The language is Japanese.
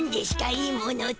いいものって。